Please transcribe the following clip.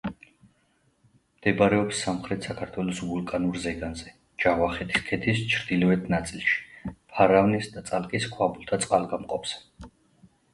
მდებარეობს სამხრეთ საქართველოს ვულკანურ ზეგანზე, ჯავახეთის ქედის ჩრდილოეთ ნაწილში, ფარავნის და წალკის ქვაბულთა წყალგამყოფზე.